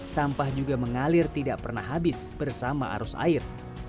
sampah juga mengalir tidak pernah habis bersama arus air